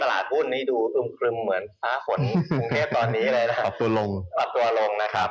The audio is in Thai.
เอาสู่ช่วงอีกข้อนิดเด็กกับครอบครัวบัวหลวงนะครับ